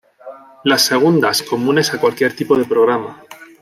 Las segundas, comunes a cualquier tipo de programa.